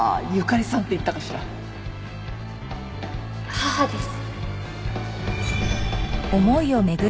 母です。